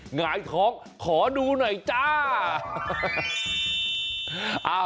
หงายท้องขอดูหน่อยจ้า